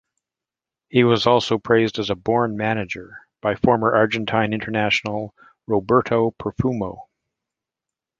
He was also praised as a "born manager" by former Argentine international Roberto Perfumo.